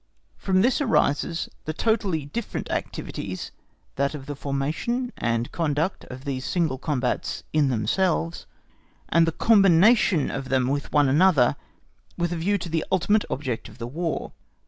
From this arises the totally different activities, that of the formation and conduct of these single combats in themselves, and the combination of them with one another, with a view to the ultimate object of the War.